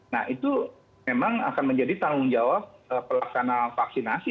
nah itu memang akan menjadi tanggung jawab pelaksana vaksinasi